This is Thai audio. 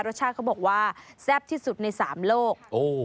เขาบอกว่าแซ่บที่สุดใน๓โลก